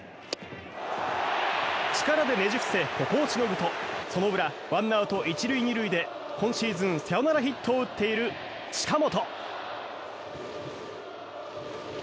力でねじ伏せ、ここをしのぐとその裏、１アウト１塁２塁で今シーズンサヨナラヒットを打っている近本。